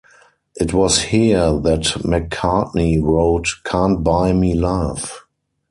It was here that McCartney wrote "Can't Buy Me Love".